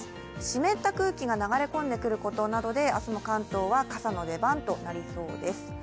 しめった空気が流れ込んでくることなどで明日も関東は傘の出番となりそうです。